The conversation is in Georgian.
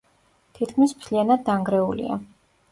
თითქმის მთლიანად დანგრეულია.